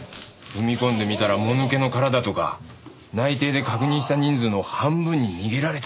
踏み込んでみたらもぬけの殻だとか内偵で確認した人数の半分に逃げられてたとかさ。